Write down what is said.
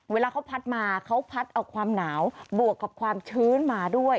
เวลาเขาพัดมาเขาพัดเอาความหนาวบวกกับความชื้นมาด้วย